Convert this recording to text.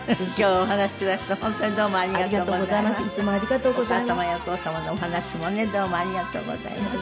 お母様やお父様のお話もねどうもありがとうございました。